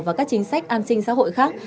và các chính sách an sinh xã hội khác